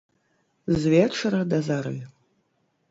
З вечара да зары.